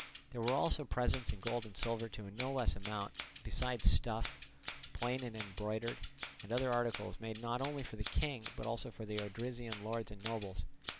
There were also presents in gold and silver to a no less amount, besides stuff, plain and embroidered, and other articles, made not only for the king, but also for the Odrysian lords and nobles.